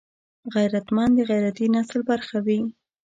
غیرتمند د غیرتي نسل برخه وي